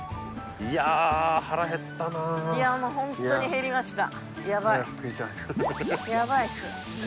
いやあいやあもうホントにへりました